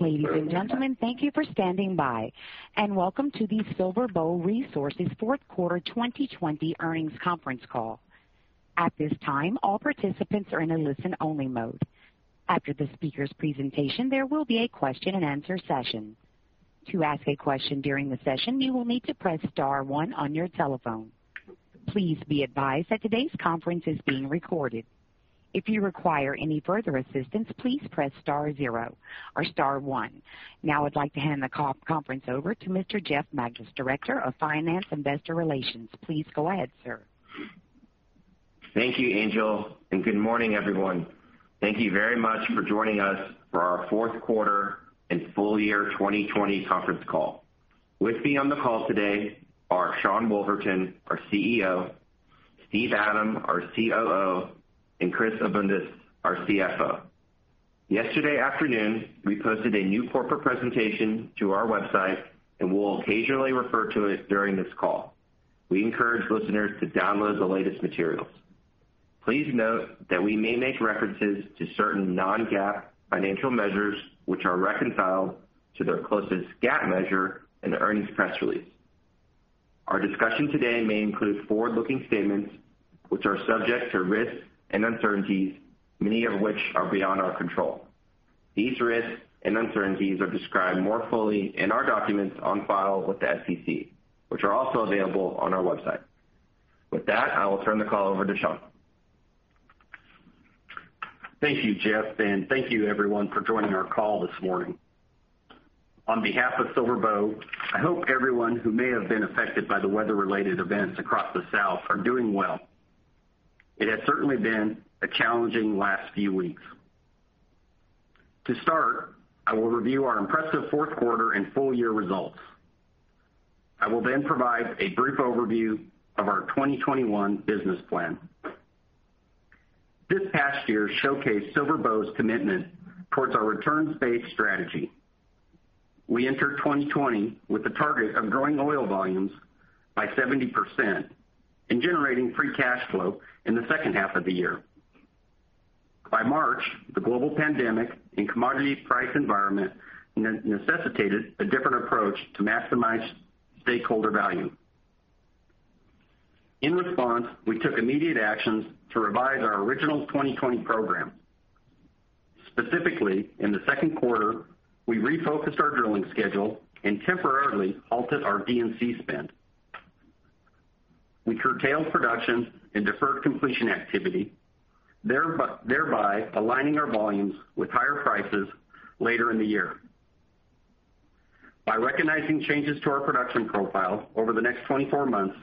Ladies and gentlemen, thank you for standing by, and welcome to the SilverBow Resources Fourth Quarter 2020 Earnings Conference Call. At this time, all participants are in a listen-only mode. After the speakers' presentation, there will be a question-and-answer session. To ask a question during the session, you will need to press star one on your telephone. Please be advised that today's conference is being recorded. If you require any further assistance, please press star zero or star one. Now I'd like to hand the conference over to Mr. Jeff Magids, Director of Finance and Investor Relations. Please go ahead, sir. Thank you, Angel, and good morning, everyone. Thank you very much for joining us for our fourth quarter and full year 2020 conference call. With me on the call today are Sean Woolverton, our CEO, Steve Adam, our COO, and Chris Abundis, our CFO. Yesterday afternoon, we posted a new corporate presentation to our website and will occasionally refer to it during this call. We encourage listeners to download the latest materials. Please note that we may make references to certain non-GAAP financial measures, which are reconciled to their closest GAAP measure in the earnings press release. Our discussion today may include forward-looking statements, which are subject to risks and uncertainties, many of which are beyond our control. These risks and uncertainties are described more fully in our documents on file with the SEC, which are also available on our website. With that, I will turn the call over to Sean. Thank you, Jeff. Thank you, everyone, for joining our call this morning. On behalf of SilverBow, I hope everyone who may have been affected by the weather-related events across the South is doing well. It has certainly been a challenging last few weeks. To start, I will review our impressive fourth quarter and full-year results. I will provide a brief overview of our 2021 business plan. This past year showcased SilverBow's commitment to our returns-based strategy. We entered 2020 with a target of growing oil volumes by 70% and generating free cash flow in the second half of the year. By March, the global pandemic and commodity price environment necessitated a different approach to maximize stakeholder value. In response, we took immediate action to revise our original 2020 program. Specifically, in the second quarter, we refocused our drilling schedule and temporarily halted our D&C spend. We curtailed production and deferred completion activity, thereby aligning our volumes with higher prices later in the year. By recognizing changes to our production profile over the next 24 months,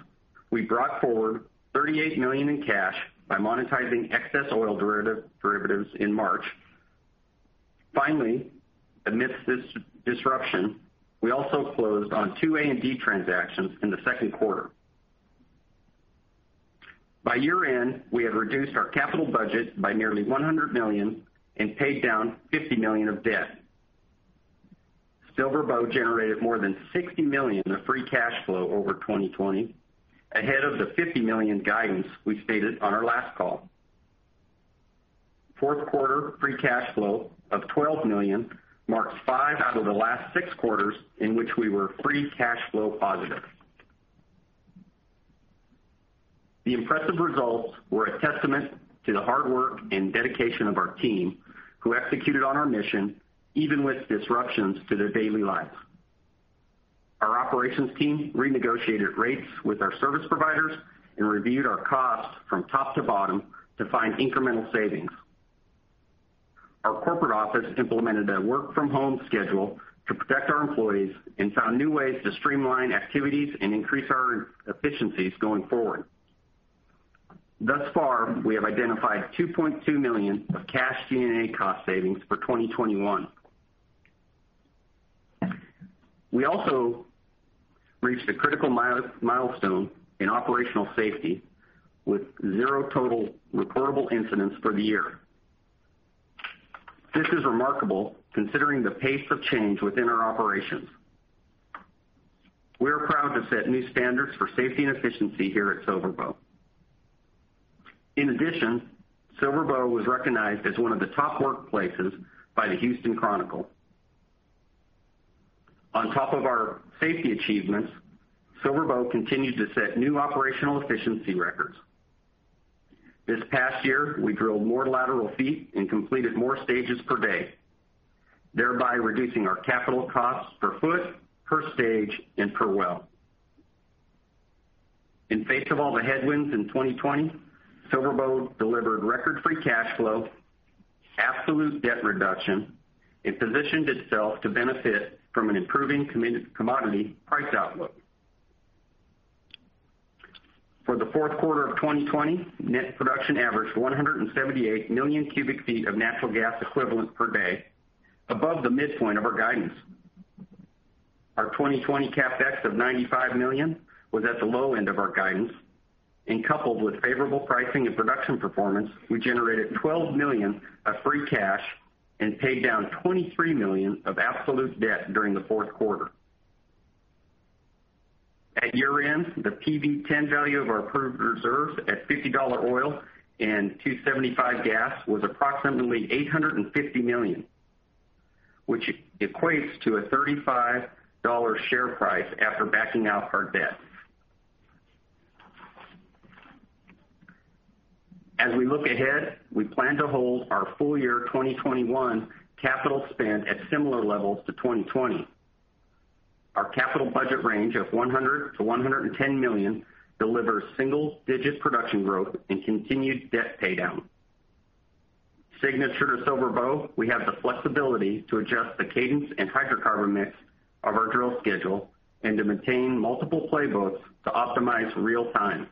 we brought forward $38 million in cash by monetizing excess oil derivatives in March. Finally, amidst this disruption, we also closed on two A&D transactions in the second quarter. By year-end, we have reduced our capital budget by nearly $100 million and paid down $50 million of debt. SilverBow generated more than $60 million in free cash flow in 2020, ahead of the $50 million guidance we stated on our last call. Fourth quarter free cash flow of $12 million marks five out of the last six quarters in which we were free cash flow positive. The impressive results were a testament to the hard work and dedication of our team, who executed on our mission even with disruptions to their daily lives. Our operations team renegotiated rates with our service providers and reviewed our costs from top to bottom to find incremental savings. Our corporate office implemented a work-from-home schedule to protect our employees and found new ways to streamline activities and increase our efficiencies going forward. Thus far, we have identified $2.2 million of cash G&A cost savings for 2021. We also reached a critical milestone in operational safety with zero total reportable incidents for the year. This is remarkable considering the pace of change within our operations. We're proud to set new standards for safety and efficiency here at SilverBow. In addition, SilverBow was recognized as one of the top workplaces by the Houston Chronicle. On top of our safety achievements, SilverBow continued to set new operational efficiency records. This past year, we drilled more lateral feet and completed more stages per day, thereby reducing our capital costs per foot, per stage, and per well. In the face of all the headwinds in 2020, SilverBow delivered record free cash flow, absolute debt reduction, and positioned itself to benefit from an improving commodity price outlook. For the fourth quarter of 2020, net production averaged 178 million cubic feet of natural gas equivalent per day, above the midpoint of our guidance. Our 2020 CapEx of $95 million was at the low end of our guidance. Coupled with favorable pricing and production performance, we generated $12 million of free cash and paid down $23 million of absolute debt during the fourth quarter. At year-end, the PV-10 value of our proved reserves at $50 oil and $2.75 gas was approximately $850 million, which equates to a $35 share price after backing out our debt. As we look ahead, we plan to hold our full-year 2021 capital spend at similar levels to 2020. Our capital budget range of $100 million-$110 million delivers single-digit production growth and continued debt paydown. Signature to SilverBow, we have the flexibility to adjust the cadence and hydrocarbon mix of our drill schedule and to maintain multiple playbooks to optimize real-time.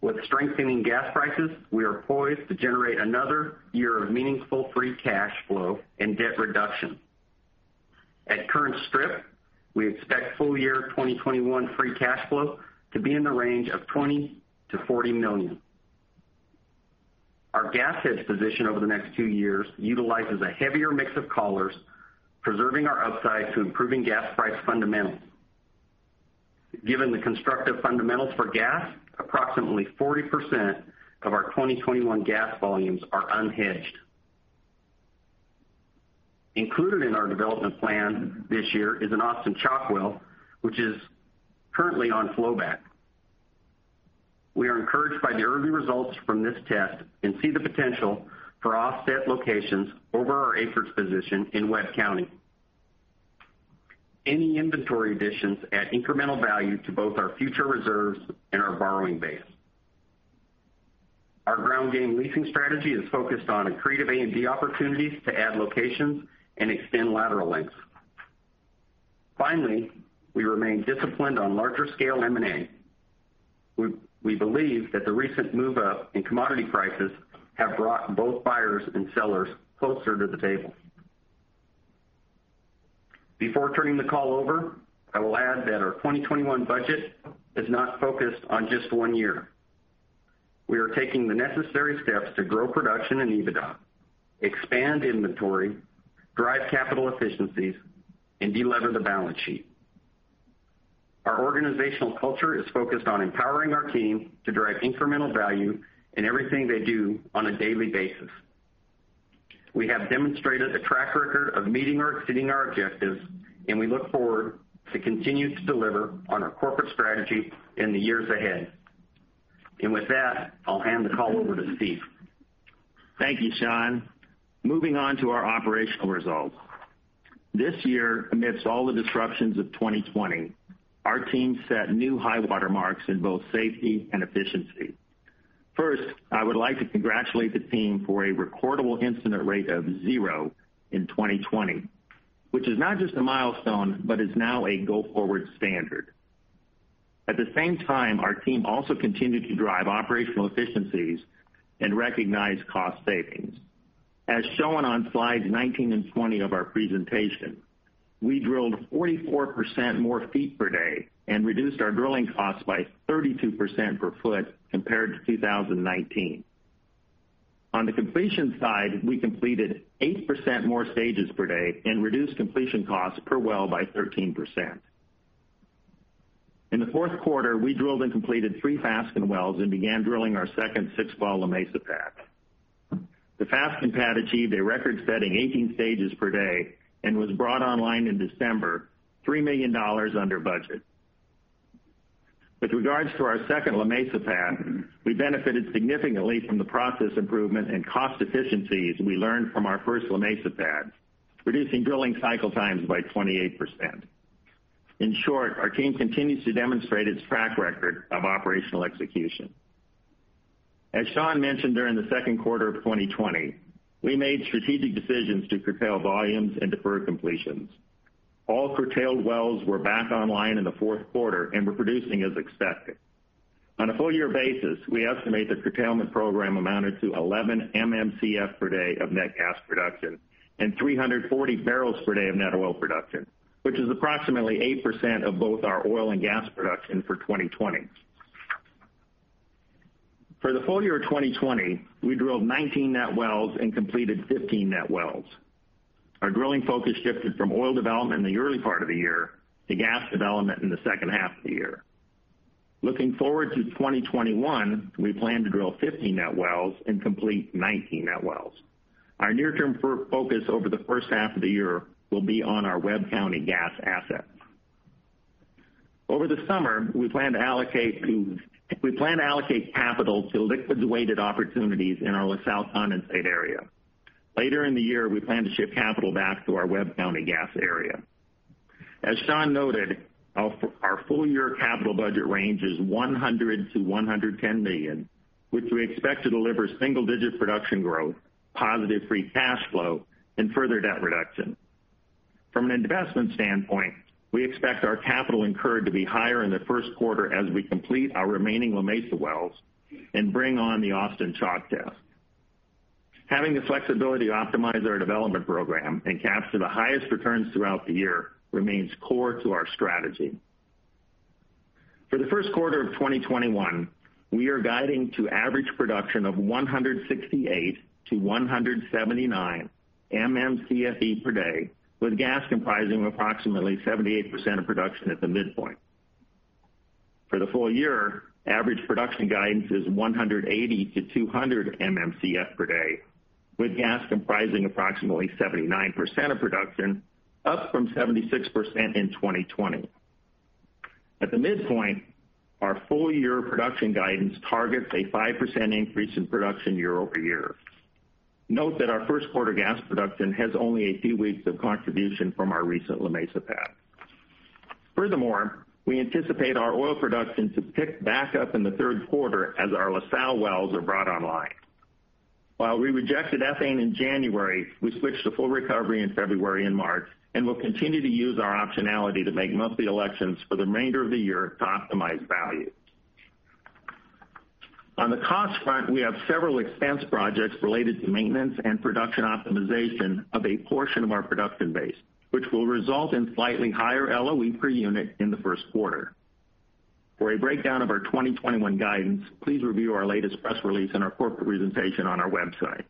With strengthening gas prices, we are poised to generate another year of meaningful free cash flow and debt reduction. At current strip, we expect full-year 2021 free cash flow to be in the range of $20 million-$40 million. Our gas hedge position over the next two years utilizes a heavier mix of collars, preserving our upside to improving gas price fundamentals. Given the constructive fundamentals for gas, approximately 40% of our 2021 gas volumes are unhedged. Included in our development plan this year is an Austin Chalk well, which is currently on flowback. We are encouraged by the early results from this test and see the potential for offset locations over our acreage position in Webb County. Any inventory additions add incremental value to both our future reserves and our borrowing base. Our ground game leasing strategy is focused on accretive A&D opportunities to add locations and extend lateral lengths. We remain disciplined on larger-scale M&A. We believe that the recent move-up in commodity prices has brought both buyers and sellers closer to the table. Before turning the call over, I will add that our 2021 budget is not focused on just one year. We are taking the necessary steps to grow production and EBITDA, expand inventory, drive capital efficiencies, and de-lever the balance sheet. Our organizational culture is focused on empowering our team to drive incremental value in everything they do on a daily basis. We have demonstrated a track record of meeting or exceeding our objectives. We look forward to continuing to deliver on our corporate strategy in the years ahead. With that, I'll hand the call over to Steve. Thank you, Sean. Moving on to our operational results. This year, amidst all the disruptions of 2020, our team set new high-water marks in both safety and efficiency. First, I would like to congratulate the team for a recordable incident rate of zero in 2020, which is not just a milestone, but is now a go-forward standard. At the same time, our team also continued to drive operational efficiencies and recognize cost savings. As shown on slides 19 and 20 of our presentation, we drilled 44% more feet per day and reduced our drilling costs by 32% per foot compared to 2019. On the completion side, we completed 8% more stages per day and reduced completion costs per well by 13%. In the fourth quarter, we drilled and completed three Fasken wells and began drilling our second six-well La Mesa pad. The Fasken pad achieved a record-setting 18 stages per day and was brought online in December, $3 million under budget. With regards to our second La Mesa pad, we benefited significantly from the process improvement and cost efficiencies we learned from our first La Mesa pad, reducing drilling cycle times by 28%. In short, our team continues to demonstrate its track record of operational execution. As Sean mentioned, during the second quarter of 2020, we made strategic decisions to curtail volumes and defer completions. All curtailed wells were back online in the fourth quarter and were producing as expected. On a full-year basis, we estimate the curtailment program amounted to 11 MMcf per day of net gas production and 340 barrels per day of net oil production, which is approximately 8% of both our oil and gas production for 2020. For the full year of 2020, we drilled 19 net wells and completed 15 net wells. Our drilling focus shifted from oil development in the early part of the year to gas development in the second half of the year. Looking forward to 2021, we plan to drill 15 net wells and complete 19 net wells. Our near-term focus over the first half of the year will be on our Webb County gas assets. Over the summer, we plan to allocate capital to liquids-weighted opportunities in our LaSalle Condensate area. Later in the year, we plan to shift capital back to our Webb County gas area. As Sean noted, our full-year capital budget range is $100 million-$110 million, which we expect to deliver single-digit production growth, positive free cash flow, and further debt reduction. From an investment standpoint, we expect our capital incurred to be higher in the first quarter as we complete our remaining La Mesa wells and bring on the Austin Chalk test. Having the flexibility to optimize our development program and capture the highest returns throughout the year remains core to our strategy. For the first quarter of 2021, we are guiding to an average production of 168-179 MMcfe per day, with gas comprising approximately 78% of production at the midpoint. For the full year, average production guidance is 180-200 MMcf per day, with gas comprising approximately 79% of production, up from 76% in 2020. At the midpoint, our full-year production guidance targets a 5% increase in production year-over-year. Note that our first quarter gas production has only a few weeks of contribution from our recent La Mesa pad. Furthermore, we anticipate our oil production to pick back up in the third quarter as our LaSalle wells are brought online. While we rejected ethane in January, we switched to full recovery in February and March and will continue to use our optionality to make monthly elections for the remainder of the year to optimize value. On the cost front, we have several expense projects related to maintenance and production optimization of a portion of our production base, which will result in slightly higher LOE per unit in the first quarter. For a breakdown of our 2021 guidance, please review our latest press release and our corporate presentation on our website.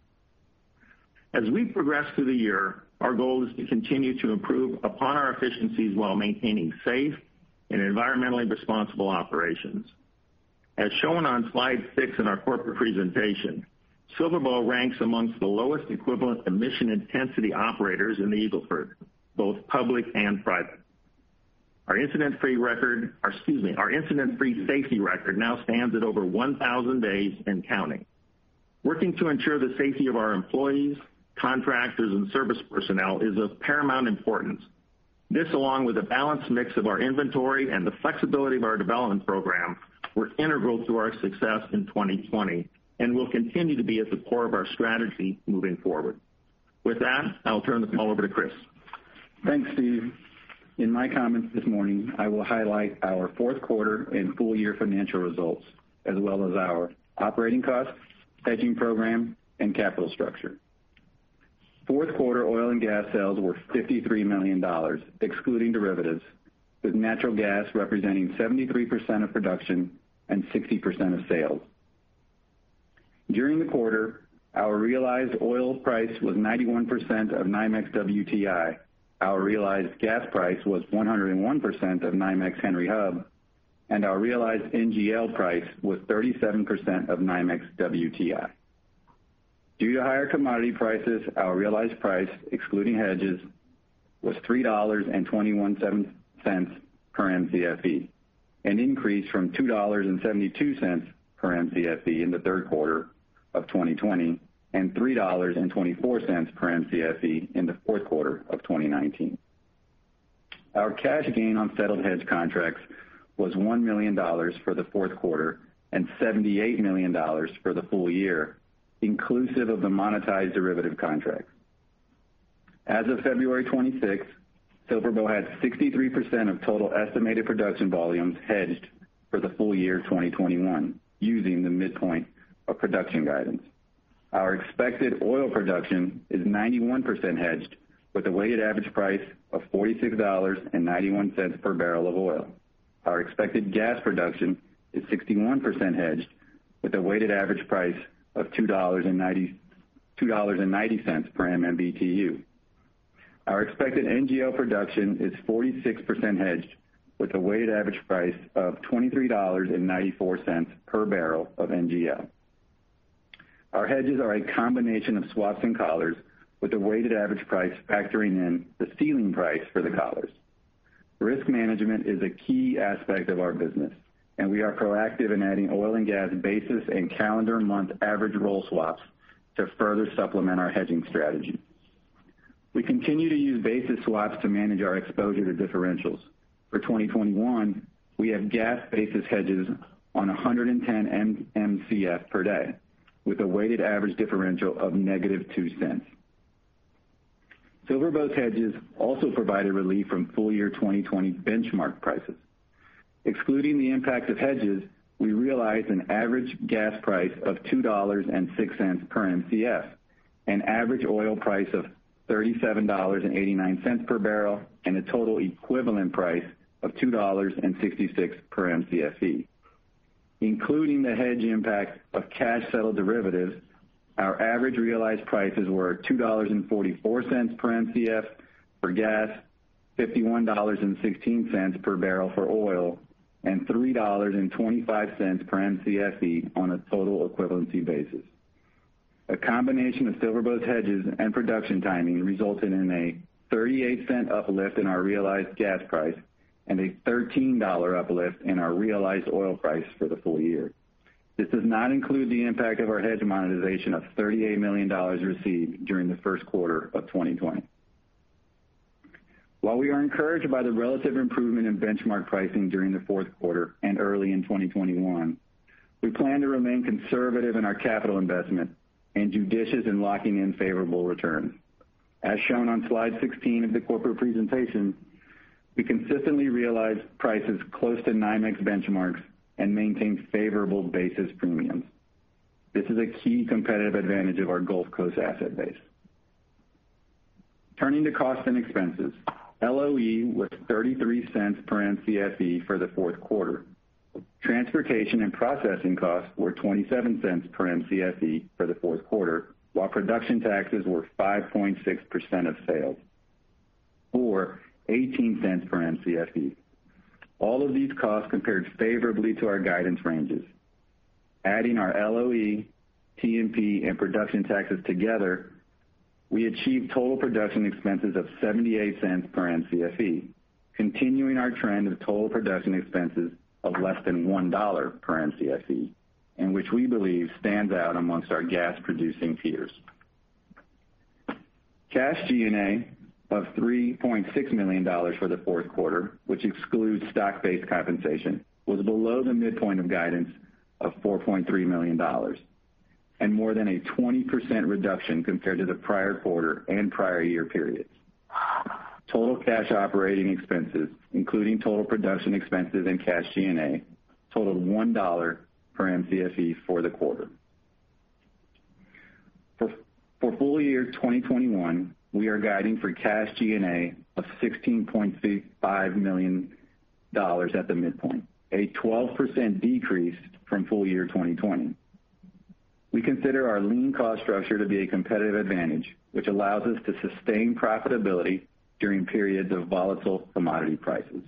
As we progress through the year, our goal is to continue to improve upon our efficiencies while maintaining safe and environmentally responsible operations. As shown on slide six in our corporate presentation, SilverBow ranks amongst the lowest equivalent emission intensity operators in the Eagle Ford, both public and private. Our incident-free safety record now stands at over 1,000 days and counting. Working to ensure the safety of our employees, contractors, and service personnel is of paramount importance. This, along with a balanced mix of our inventory and the flexibility of our development program, was integral to our success in 2020 and will continue to be at the core of our strategy moving forward. With that, I will turn the call over to Chris. Thanks, Steve. In my comments this morning, I will highlight our fourth quarter and full-year financial results, as well as our operating costs, hedging program, and capital structure. Fourth quarter oil and gas sales were $53 million, excluding derivatives, with natural gas representing 73% of production and 60% of sales. During the quarter, our realized oil price was 91% of NYMEX WTI, our realized gas price was 101% of NYMEX Henry Hub, and our realized NGL price was 37% of NYMEX WTI. Due to higher commodity prices, our realized price, excluding hedges, was $3.217 per Mcfe, an increase from $2.72 per Mcfe in the third quarter of 2020 and $3.24 per Mcfe in the fourth quarter of 2019. Our cash gain on settled hedge contracts was $1 million for the fourth quarter and $78 million for the full year, inclusive of the monetized derivative contract. As of February 26th, SilverBow had 63% of total estimated production volumes hedged for the full year 2021, using the midpoint of production guidance. Our expected oil production is 91% hedged with a weighted average price of $46.91 per barrel of oil. Our expected gas production is 61% hedged with a weighted average price of $2.90 per MMBtu. Our expected NGL production is 46% hedged with a weighted average price of $23.94 per barrel of NGL. Our hedges are a combination of swaps and collars with a weighted average price factoring in the ceiling price for the collars. Risk management is a key aspect of our business, and we are proactive in adding oil and gas basis and calendar-month average roll swaps to further supplement our hedging strategy. We continue to use basis swaps to manage our exposure to differentials. For 2021, we have gas basis hedges on 110 MMcf per day with a weighted average differential of negative $0.02. SilverBow's hedges also provided relief from full-year 2020 benchmark prices. Excluding the impact of hedges, we realized an average gas price of $2.06 per Mcf, an average oil price of $37.89 per barrel, and a total equivalent price of $2.66 per Mcfe. Including the hedge impact of cash-settled derivatives, our average realized prices were $2.44 per Mcf for gas, $51.16 per barrel for oil, and $3.25 per Mcfe on a total equivalency basis. A combination of SilverBow's hedges and production timing resulted in a $0.38 uplift in our realized gas price and a $13 uplift in our realized oil price for the full year. This does not include the impact of our hedge monetization of $38 million received during the first quarter of 2020. While we are encouraged by the relative improvement in benchmark pricing during the fourth quarter and early in 2021, we plan to remain conservative in our capital investment and judicious in locking in favorable returns. As shown on slide 16 of the corporate presentation, we consistently realize prices close to NYMEX benchmarks and maintain favorable basis premiums. This is a key competitive advantage of our Gulf Coast asset base. Turning to costs and expenses, LOE was $0.33 per Mcfe for the fourth quarter. Transportation and processing costs were $0.27 per Mcfe for the fourth quarter, while production taxes were 5.6% of sales, or $0.18 per Mcfe. All of these costs compared favorably to our guidance ranges. Adding our LOE, T&P, and production taxes together, we achieved total production expenses of $0.78 per Mcfe, continuing our trend of total production expenses of less than $1 per Mcfe, which we believe stands out amongst our gas-producing peers. Cash G&A of $3.6 million for the fourth quarter, which excludes stock-based compensation, was below the midpoint of guidance of $4.3 million and more than a 20% reduction compared to the prior quarter and prior year periods. Total cash operating expenses, including total production expenses and cash G&A, totaled $1 per Mcfe for the quarter. For the full year 2021, we are guiding for cash G&A of $16.5 million at the midpoint, a 12% decrease from full year 2020. We consider our lean cost structure to be a competitive advantage, which allows us to sustain profitability during periods of volatile commodity prices.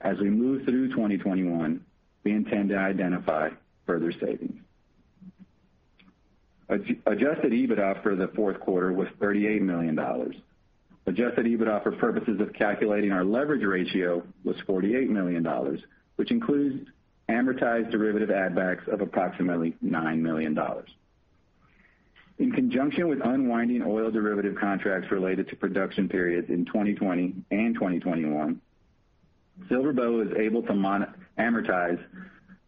As we move through 2021, we intend to identify further savings. Adjusted EBITDA for the fourth quarter was $38 million. Adjusted EBITDA for purposes of calculating our leverage ratio was $48 million, which includes amortized derivative add-backs of approximately $9 million. In conjunction with unwinding oil derivative contracts related to production periods in 2020 and 2021, SilverBow was able to amortize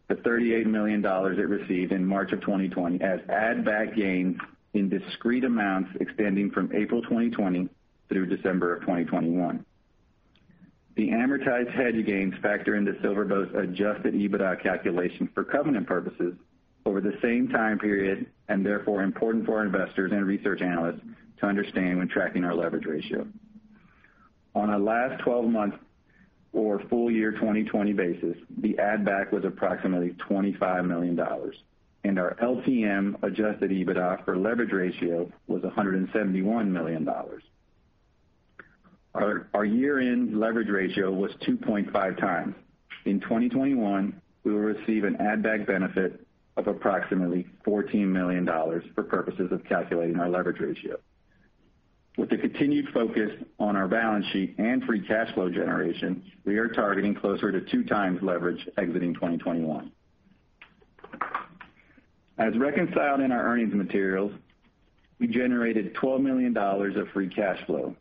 the $38 million it received in March of 2020 as add-back gains in discrete amounts extending from April 2020 through December of 2021. The amortized hedge gains factor into SilverBow's Adjusted EBITDA calculation for covenant purposes over the same time period, and therefore important for our investors and research analysts to understand when tracking our leverage ratio. On a last 12-month or full year 2020 basis, the add-back was approximately $25 million, and our LTM Adjusted EBITDA for leverage ratio was $171 million. Our year-end leverage ratio was 2.5x. In 2021, we will receive an add-back benefit of approximately $14 million for purposes of calculating our leverage ratio. With the continued focus on our balance sheet and free cash flow generation, we are targeting closer to 2x leverage exiting 2021. As reconciled in our earnings materials, we generated $12 million of free cash flow.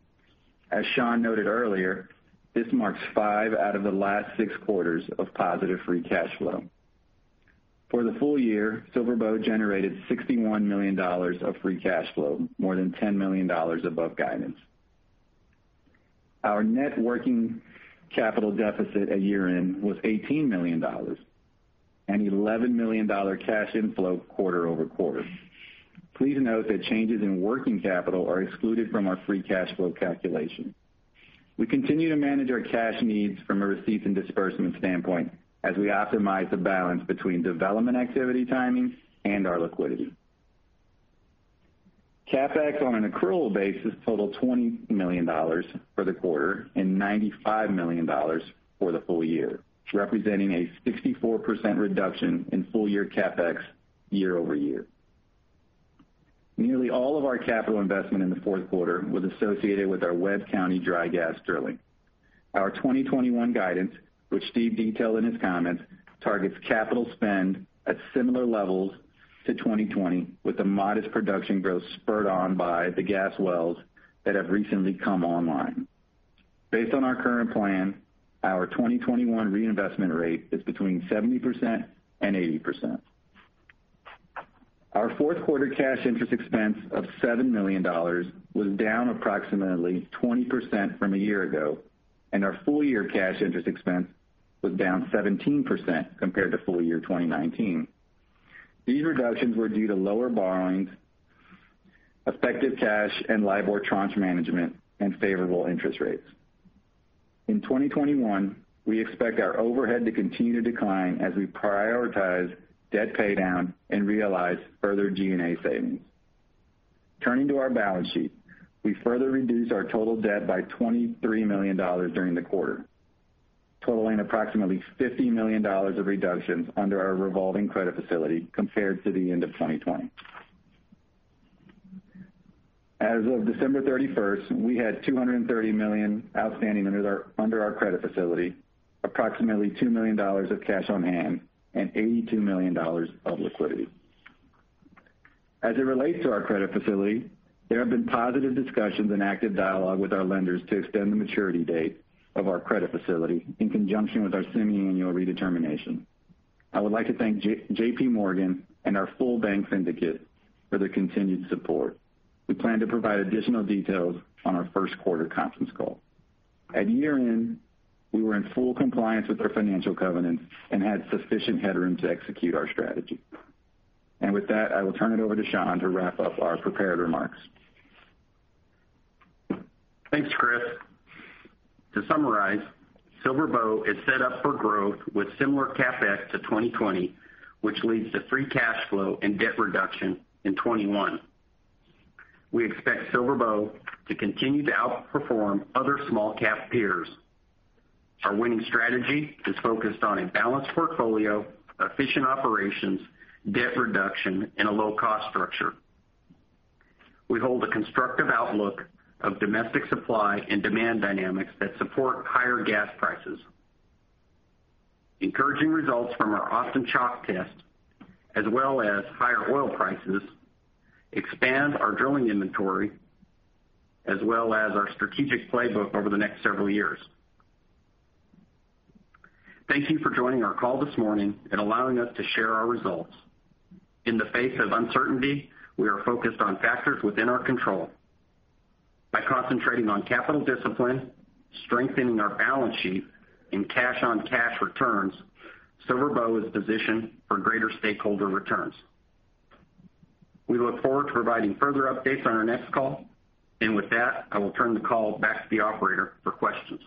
As Sean noted earlier, this marks five out of the last six quarters of positive free cash flow. For the full year, SilverBow generated $61 million of free cash flow, more than $10 million above guidance. Our net working capital deficit at year-end was $18 million, and $11 million cash inflow quarter-over-quarter. Please note that changes in working capital are excluded from our free cash flow calculation. We continue to manage our cash needs from a receipts and disbursement standpoint as we optimize the balance between development activity timing and our liquidity. CapEx on an accrual basis totaled $20 million for the quarter and $95 million for the full year, representing a 64% reduction in full-year CapEx year-over-year. Nearly all of our capital investment in the fourth quarter was associated with our Webb County dry gas drilling. Our 2021 guidance, which Steve detailed in his comments, targets capital spend at similar levels to 2020, with a modest production growth spurred on by the gas wells that have recently come online. Based on our current plan, our 2021 reinvestment rate is between 70% and 80%. Our fourth quarter cash interest expense of $7 million was down approximately 20% from a year ago, and our full-year cash interest expense was down 17% compared to full-year 2019. These reductions were due to lower borrowings, effective cash and LIBOR tranche management, and favorable interest rates. In 2021, we expect our overhead to continue to decline as we prioritize debt paydown and realize further G&A savings. Turning to our balance sheet, we further reduced our total debt by $23 million during the quarter, totaling approximately $50 million of reductions under our revolving credit facility compared to the end of 2020. As of December 31st, we had $230 million outstanding under our credit facility, approximately $2 million of cash on hand, and $82 million of liquidity. As it relates to our credit facility, there have been positive discussions and active dialogue with our lenders to extend the maturity date of our credit facility in conjunction with our semiannual redetermination. I would like to thank JPMorgan and our full bank syndicate for their continued support. We plan to provide additional details on our first quarter conference call. At year-end, we were in full compliance with our financial covenants and had sufficient headroom to execute our strategy. With that, I will turn it over to Sean to wrap up our prepared remarks. Thanks, Chris. To summarize, SilverBow is set up for growth with similar CapEx to 2020, which leads to free cash flow and debt reduction in 2021. We expect SilverBow to continue to outperform other small-cap peers. Our winning strategy is focused on a balanced portfolio, efficient operations, debt reduction, and a low-cost structure. We hold a constructive outlook on domestic supply and demand dynamics that support higher gas prices. Encouraging results from our Austin Chalk test, as well as higher oil prices, expand our drilling inventory as well as our strategic playbook over the next several years. Thank you for joining our call this morning and allowing us to share our results. In the face of uncertainty, we are focused on factors within our control. By concentrating on capital discipline, strengthening our balance sheet, and cash-on-cash returns, SilverBow is positioned for greater stakeholder returns. We look forward to providing further updates on our next call. With that, I will turn the call back to the operator for questions.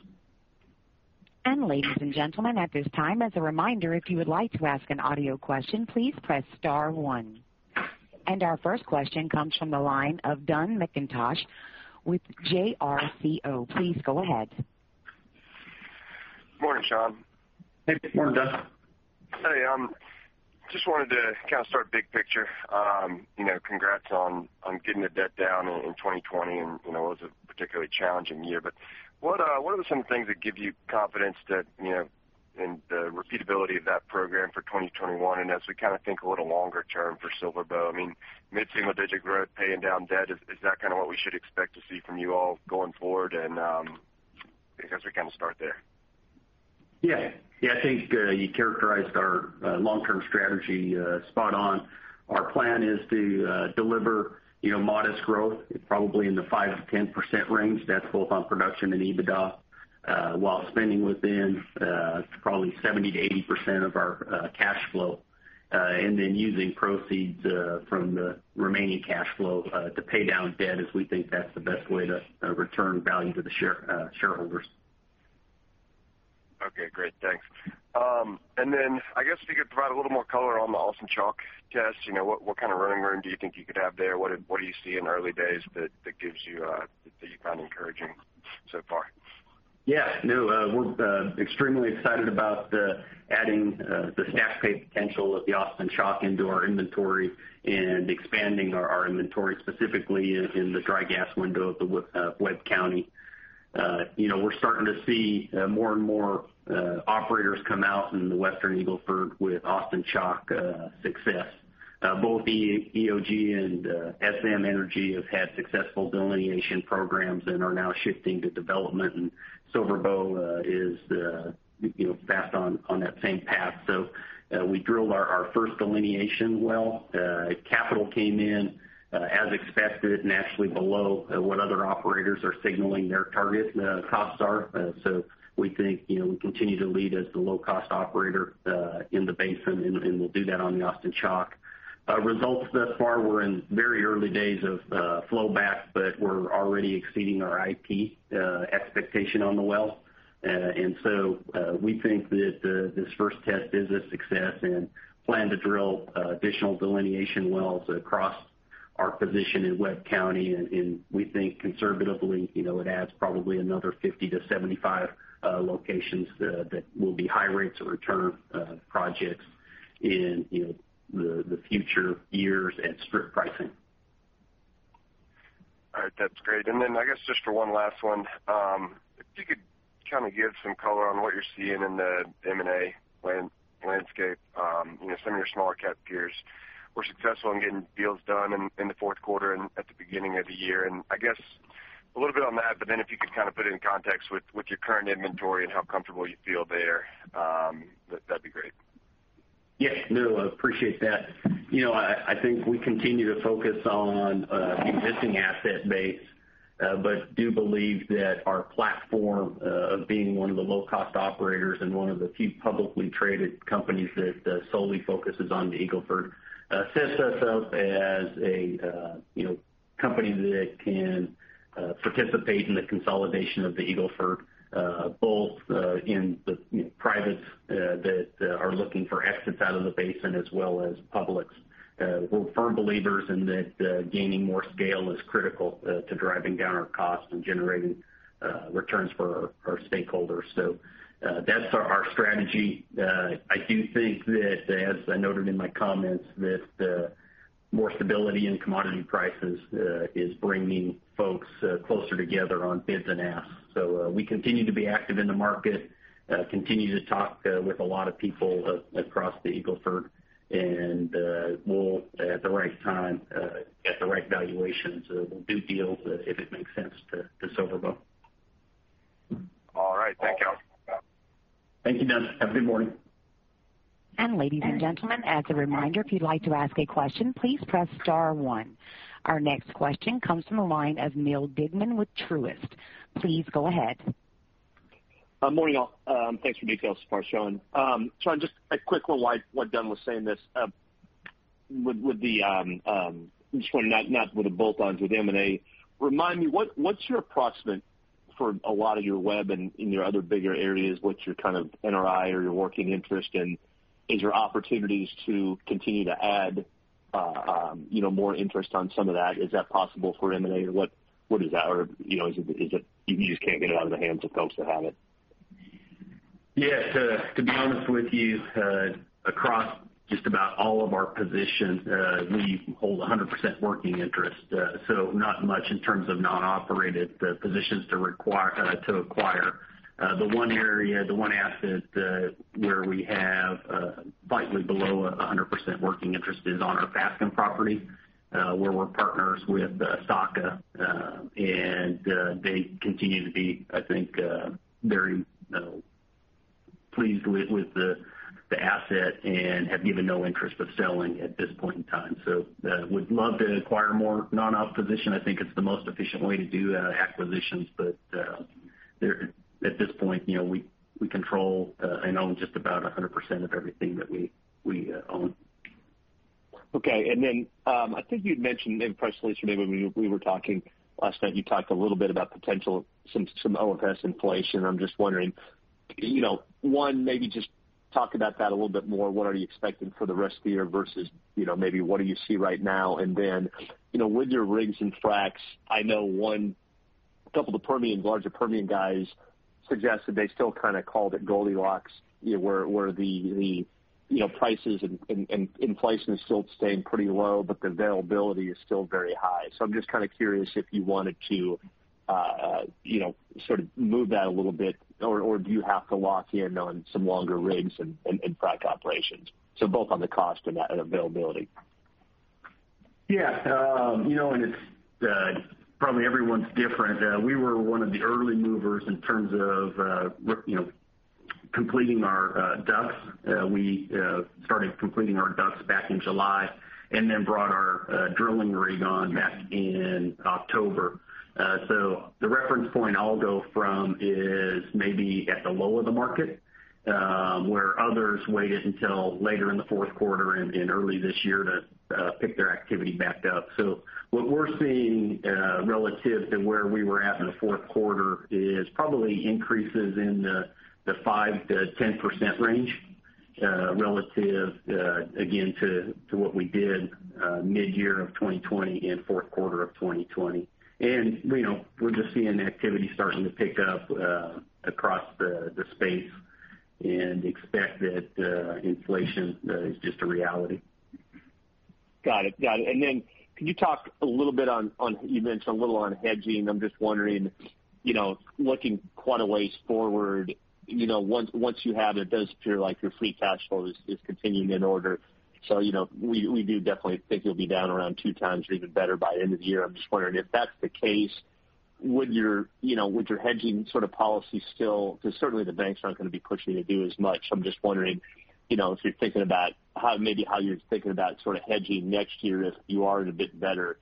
Ladies and gentlemen, at this time, as a reminder, if you would like to ask an audio question, please press star one. Our first question comes from the line of Dun McIntosh with JRCO. Please go ahead. Morning, Sean. Hey, morning, Dun. Hey. Just wanted to kind of start big picture. Congrats on getting the debt down in 2020. It was a particularly challenging year. What are some things that give you confidence in the repeatability of that program for 2021, and as we think a little longer term for SilverBow? Mid-single-digit growth, paying down debt, is that kind of what we should expect to see from you all going forward? I guess we can start there. Yeah. I think you characterized our long-term strategy spot on. Our plan is to deliver modest growth, probably in the 5%-10% range. That's both on production and EBITDA, while spending within probably 70%-80% of our cash flow. Then, using proceeds from the remaining cash flow to pay down debt, as we think that's the best way to return value to the shareholders. Okay, great. Thanks. I guess if you could provide a little more color on the Austin Chalk test. What kind of running room do you think you could have there? What do you see in the early days that you found encouraging so far? Yeah. No, we're extremely excited about adding the stack pay potential of the Austin Chalk into our inventory and expanding our inventory, specifically in the dry gas window of Webb County. We're starting to see more and more operators come out in the Western Eagle Ford with Austin Chalk success. Both EOG and SM Energy have had successful delineation programs and are now shifting to development. SilverBow is fast on that same path. We drilled our first delineation well. Capital came in as expected. Actually, below what other operators are signaling their target costs are. We think we continue to lead as the low-cost operator in the basin. We'll do that on the Austin Chalk. Results thus far, we're in the very early days of flow back. We're already exceeding our IP expectation on the well. We think that this first test is a success and plan to drill additional delineation wells across our position in Webb County. We think conservatively, it adds probably another 50 to 75 locations that will be high rates of return projects in the future years at strip pricing. All right. That's great. Then I guess just for one last one, if you could kind of give some color on what you're seeing in the M&A landscape. Some of your smaller-cap peers were successful in getting deals done in the fourth quarter and at the beginning of the year. I guess a little bit on that, but then if you could kind of put it in context with your current inventory and how comfortable you feel there, that'd be great. Yeah, no, appreciate that. I think we continue to focus on the existing asset base. I believe that our platform of being one of the low-cost operators and one of the few publicly traded companies that solely focuses on the Eagle Ford, sets us up as a company that can participate in the consolidation of the Eagle Ford, both in the privates that are looking for exits out of the basin as well as publics. We're firm believers that gaining more scale is critical to driving down our costs and generating returns for our stakeholders. That's our strategy. I do think that, as I noted in my comments, more stability in commodity prices is bringing folks closer together on bids and asks. We continue to be active in the market, continue to talk with a lot of people across the Eagle Ford, and we'll, at the right time, at the right valuations, we'll do deals if it makes sense to SilverBow. All right. Thank you. Thank you, Dun. Have a good morning. Ladies and gentlemen, as a reminder, if you'd like to ask a question, please press star one. Our next question comes from the line of Neal Dingmann with Truist. Please go ahead. Morning all. Thanks for the details so far, Sean. Sean, just a quick one while Dun was saying this. Just want to knock a little bolt on with M&A. Remind me, what's your approximate for a lot of your Webb and your other bigger areas? What's your NRI or your working interest? Are there opportunities to continue to add more interest to some of that? Is that possible for M&A, or what is that? Is it that you just can't get it out of the hands of folks who have it? Yes, to be honest with you, across just about all of our positions, we hold 100% working interest. Not much in terms of non-operated positions to acquire. The one area, the one asset where we have slightly below 100% working interest is on our Fasken property, where we're partners with Saka. They continue to be, I think, very pleased with the asset and have no interest in selling at this point in time. Would love to acquire more non-op positions. I think it's the most efficient way to do acquisitions. At this point, we control and own just about 100% of everything that we own. Okay, I think you mentioned in the price release, or maybe when we were talking last night, you talked a little bit about potential OFS inflation. I'm just wondering, one, maybe just talk about that a little bit more. What are you expecting for the rest of the year, versus what do you see right now? Then, with your rigs and fracs, I know a couple of the larger Permian guys suggested they still kind of called it Goldilocks, where the prices and inflation are still staying pretty low, but the availability is still very high. I'm just kind of curious if you wanted to sort of move that a little bit, or if you have to lock in on some longer rigs and frac operations? Both on the cost and availability. Probably everyone's different. We were one of the early movers in terms of completing our DUCs. We started completing our DUCs back in July and then brought our drilling rig on back in October. The reference point I'll go from is maybe at the low of the market, where others waited until later in the fourth quarter and early this year to pick their activity back up. What we're seeing relative to where we were in the fourth quarter is probably an increase in the 5%-10% range relative, again, to what we did mid-year of 2020 and fourth quarter of 2020. We're just seeing activity starting to pick up across the space and expect that inflation is just a reality. Got it. Could you talk a little bit on you mentioned about hedging? I'm just wondering, looking quite a ways forward, once you have it does appear like your free cash flow is continuing in order. We do definitely think you'll be down around 2x or even better by the end of the year. I'm just wondering, if that's the case, would your hedging sort of policy still be in place, because certainly the banks aren't going to be pushing to do as much. I'm just wondering if you're thinking about how you're thinking about sort of hedging next year. If you are in a bit better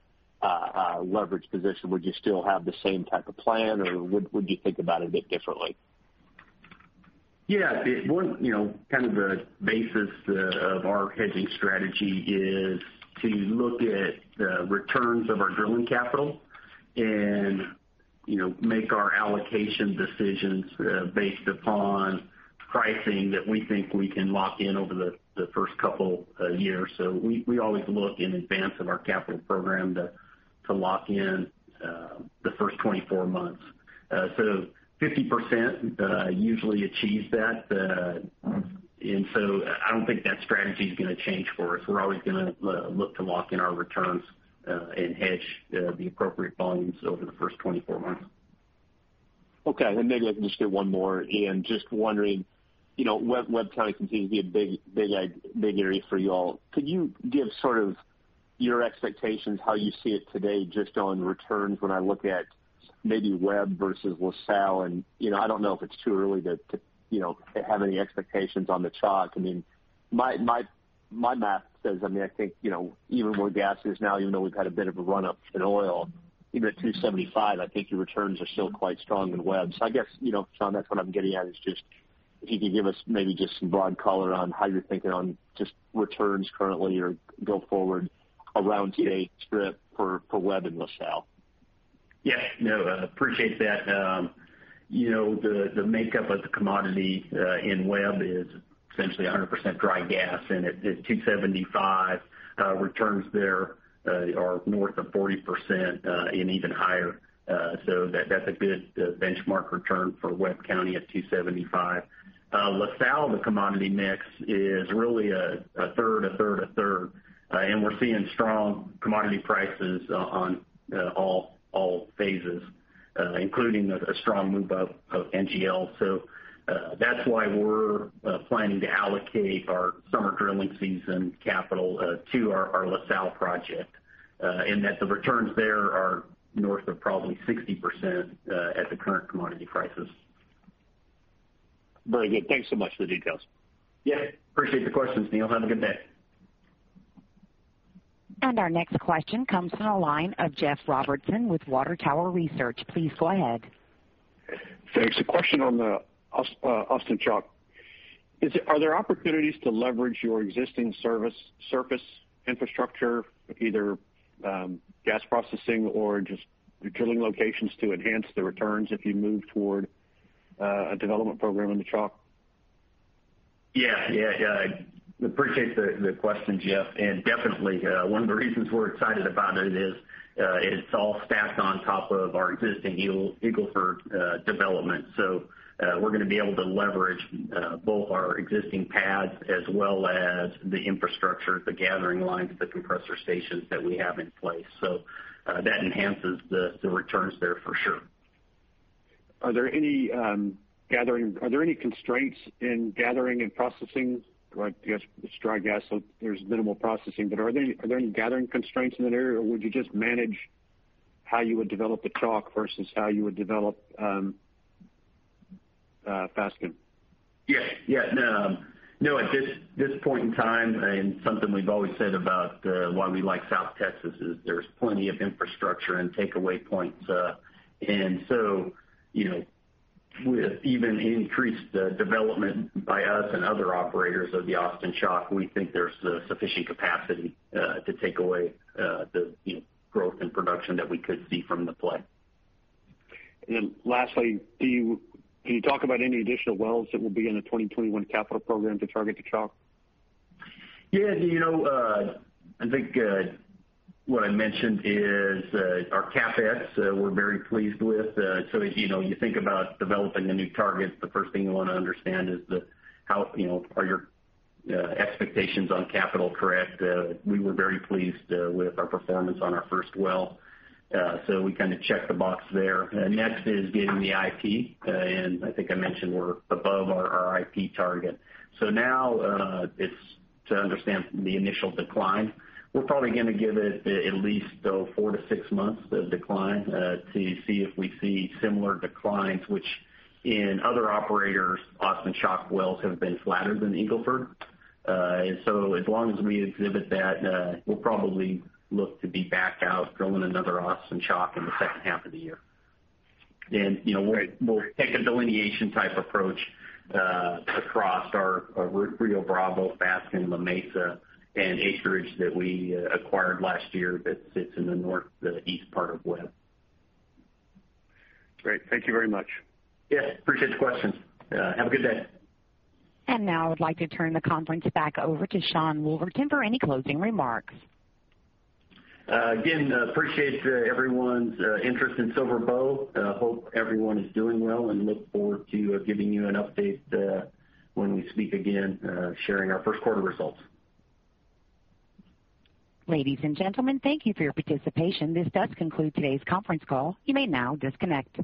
leverage position, would you still have the same type of plan, or would you think about it a bit differently? Yeah. One, kind of the basis of our hedging strategy is to look at the returns of our drilling capital and make our allocation decisions based upon pricing that we think we can lock in over the first couple of years. We always look in advance of our capital program to lock in the first 24 months. 50% usually achieves that. I don't think that strategy is going to change for us. We're always going to look to lock in our returns and hedge the appropriate volumes over the first 24 months. Okay. Maybe I can just do one more. Webb County continues to be a big area for you all. Could you give a sort of your expectations, how you see it today, just on returns when I look at maybe Webb versus LaSalle? I don't know if it's too early to have any expectations on the Chalk. My math says, I think, even where gas is now, even though we've had a bit of a run-up in oil, even at $275, I think your returns are still quite strong in Webb. I guess, Sean, that's what I'm getting at: just if you could give us maybe just some broad color on how you're thinking on just returns currently or go forward around today's strip for Webb and LaSalle. Yeah, no, appreciate that. The makeup of the commodity in Webb is essentially 100% dry gas, and at $2.75, returns there are north of 40% and even higher. That's a good benchmark return for Webb County at $2.75. LaSalle, the commodity mix is really a third, a third, a third. We're seeing strong commodity prices on all phases, including a strong move up of NGL. That's why we're planning to allocate our summer drilling season capital to our LaSalle project. In that the returns there are north of probably 60% at the current commodity prices. Very good. Thanks so much for the details. Yeah. Appreciate the questions, Neal. Have a good day. Our next question comes from the line of Jeff Robertson with Water Tower Research. Please go ahead. Thanks. A question on the Austin Chalk. Are there opportunities to leverage your existing surface infrastructure, either gas processing or just drilling locations, to enhance the returns if you move toward a development program in the Chalk? Yeah. I appreciate the question, Jeff. Definitely, one of the reasons we're excited about it is that it's all stacked on top of our existing Eagle Ford development. We're going to be able to leverage both our existing pads as well as the infrastructure, the gathering lines, and the compressor stations that we have in place. That enhances the returns there for sure. Are there any constraints in gathering and processing? I guess it's dry gas, so there's minimal processing. Are there any gathering constraints in that area, or would you just manage how you would develop the Chalk versus how you would develop Fasken? Yeah. No, at this point in time, something we've always said about why we like South Texas is that there's plenty of infrastructure and takeaway points. With even increased development by other operators of the Austin Chalk and us, we think there's sufficient capacity to take away the growth in production that we could see from the play. Lastly, can you talk about any additional wells that will be in the 2021 capital program to target the Chalk? Yeah. I think what I mentioned is our CapEx, we're very pleased with. As you think about developing a new target, the first thing you want to understand is whether your expectations on capital are correct. We were very pleased with our performance on our first well. We kind of checked the box there. Next is getting the IP, and I think I mentioned we're above our IP target. Now, it's time to understand the initial decline. We're probably going to give it at least four to six months of decline to see if we see similar declines, which in other operators, Austin Chalk wells have been flatter than Eagle Ford. As long as we exhibit that, we'll probably look to be back out drilling another Austin Chalk in the second half of the year. We'll take a delineation-type approach across our Rio Bravo, Fasken, La Mesa, and the acreage that we acquired last year that sits in the northeast part of Webb. Great. Thank you very much. Yes, appreciate the question. Have a good day. Now I would like to turn the conference back over to Sean Woolverton for any closing remarks. Appreciate everyone's interest in SilverBow. Hope everyone is doing well, and look forward to giving you an update when we speak again, sharing our first quarter results. Ladies and gentlemen, thank you for your participation. This concludes today's conference call. You may now disconnect.